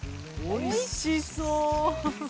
おいしそう！